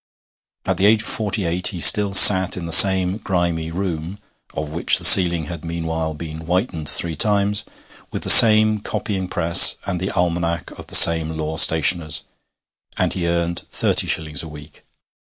At the age of forty eight he still sat in the same grimy room (of which the ceiling had meanwhile been whitened three times), with the same copying press and the almanac of the same law stationers, and he earned thirty shillings a week.